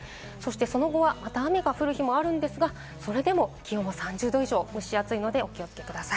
その後はまた雨が降る日もあるんですが、それでも気温は３０度以上、蒸し暑いのでお気をつけください。